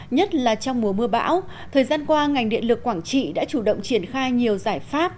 nhất là trong mùa mưa bão thời gian qua ngành điện lực quảng trị đã chủ động triển khai nhiều giải pháp